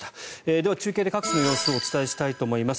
では中継で各地の様子をお伝えしたいと思います。